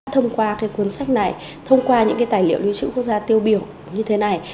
thông qua cuốn sách này thông qua những tài liệu liêu chữ quốc gia tiêu biểu như thế này